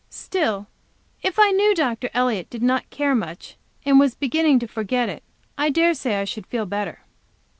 Still if I knew Dr. Elliott did not care much, and was beginning to forget it, I dare say I should feel better."